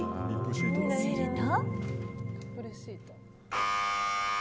すると。